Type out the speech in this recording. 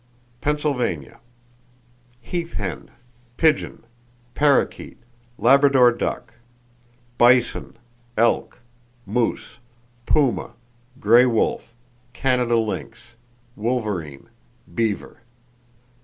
Pennsylvania: Heath hen, pigeon, parrakeet, Labrador duck; bison, elk, moose, puma, [Page 45] gray wolf, Canada lynx, wolverine, beaver.